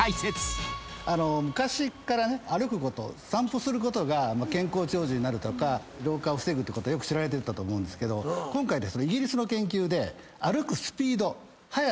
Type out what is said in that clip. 昔からね歩くこと散歩することが健康長寿になるとか老化を防ぐってことはよく知られてたと思うんですけど今回イギリスの研究で。